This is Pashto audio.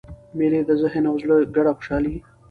مېلې د ذهن او زړه ګډه خوشحاله يي.